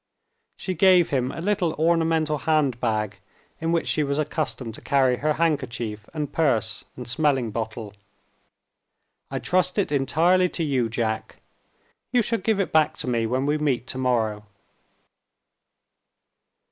She gave him a little ornamental handbag, in which she was accustomed to carry her handkerchief, and purse, and smelling bottle. "I trust it entirely to you, Jack: you shall give it back to me when we meet to morrow."